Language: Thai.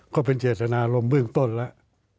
ก็เป็นเจตนารมณ์เบื้องต้นแล้ว